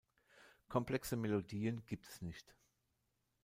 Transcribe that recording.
Komplexe Melodien gibt es nicht.